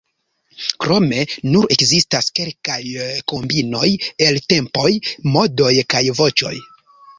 Krome nur ekzistas kelkaj kombinoj el tempoj, modoj kaj voĉoj.